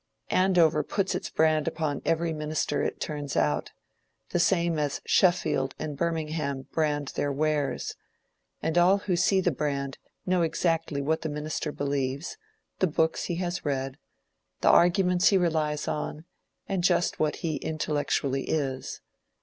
Andover puts its brand upon every minister it turns out, the same as Sheffield and Birmingham brand their wares, and all who see the brand know exactly what the minister believes, the books he has read, the arguments he relies on, and just what he intellectually is.